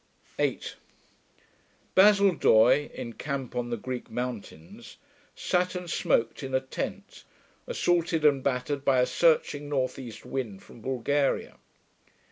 8 Basil Doye, in camp on the Greek mountains, sat and smoked in a tent assaulted and battered by a searching north east wind from Bulgaria.